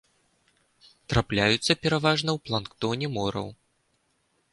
Трапляюцца пераважна ў планктоне мораў.